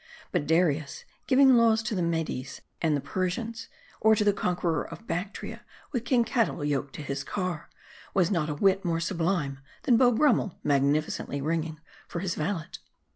But Darius giving laws to the Medes and the Persians, or the conqueror of Bactria with king cattle yoked to his car, was not a whit more sublime, than Beau Brummel magnificently ringing for his valet.